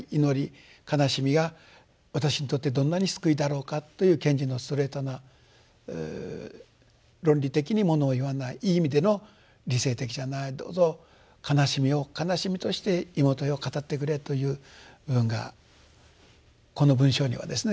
悲しみが私にとってどんなに救いだろうかという賢治のストレートな論理的にものを言わないいい意味での理性的じゃない「どうぞ悲しみを悲しみとして妹よ語ってくれ」という部分がこの文章にはですね